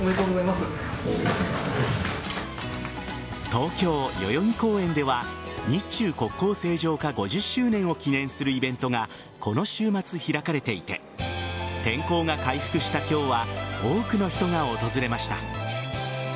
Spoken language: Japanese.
東京・代々木公園では日中国交正常化５０周年を記念するイベントがこの週末、開かれていて天候が回復した今日は多くの人が訪れました。